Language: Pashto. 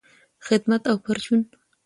خدمت او پرچون